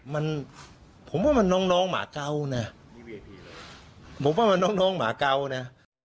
มันผมว่ามันน้องน้องหมาเกานะผมว่ามันน้องน้องหมาเกานะ